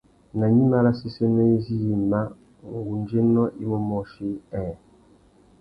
Nà gnïmá râ séssénô izí yïmá, ngundzénô i mú môchï : nhêê.